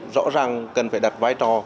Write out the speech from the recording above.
rõ ràng cần phải đặt vai trò